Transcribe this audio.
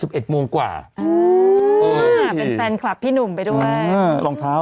อือเป็นแฟนคลับพี่หนุ่มไปด้วย